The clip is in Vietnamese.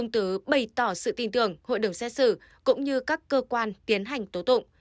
tứ bày tỏ sự tin tưởng hội đồng xét xử cũng như các cơ quan tiến hành tố tụng